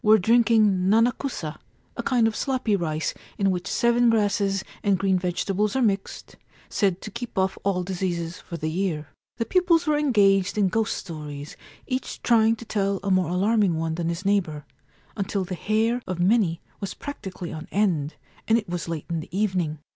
312 ROKUGO SEES A GHOSTLY SPIRIT The Snow Tomb drinking nanakusa — a kind of sloppy rice in which seven grasses and green vegetables are mixed, said to keep off all diseases for the year. The pupils were engaged in ghost stories, each trying to tell a more alarming one than his neighbour, until the hair of many was practically on end, and it was late in the evening.